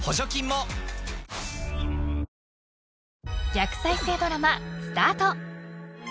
［逆再生ドラマスタート］